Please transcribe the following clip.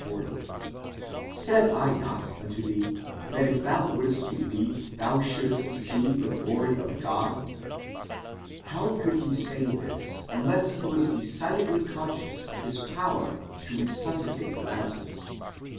40): Said I not unto thee that tf thou wouldst believe thou shouldst see the glory of God? Wow could he say this unless he was decidedly conscious of his power to resuscitate Lazarus